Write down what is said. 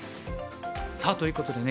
さあということでね